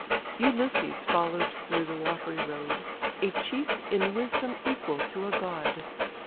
Ulysses follow'd through the watery road, A chief, in wisdom equal to a god.